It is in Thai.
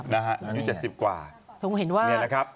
นี่นะครับ